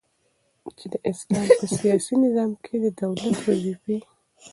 چي د اسلام په سیاسی نظام کی د دولت وظيفي.